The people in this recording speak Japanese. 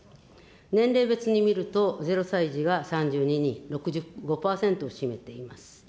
年齢別に見ると、０歳児が３２人、６５％を占めています。